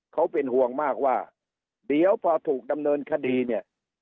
เขาเป็นห่วงมากว่าเดี๋ยวพอถูกดำเนินคดีเนี่ย